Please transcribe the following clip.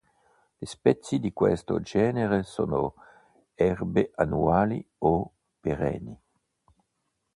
Le specie di questo genere sono erbe annuali o perenni.